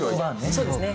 そうですね。